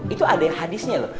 itu ada yang hadisnya loh